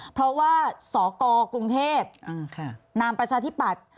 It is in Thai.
เพราะว่าสกกรุงเทพนามประชาธิปัตย์